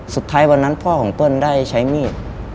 สุดท้ายวันนั้นพ่อของเปิ้ลได้ใช้มีด